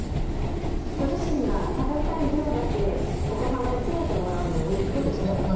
ご自身が食べたい量だけお子さまに詰めてもらうのもいいかもしれませんね。